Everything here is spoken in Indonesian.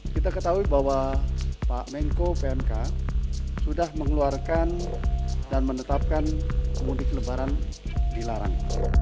kita ketahui bahwa pak menko pmk sudah mengeluarkan dan menetapkan pemudik lebaran dilarang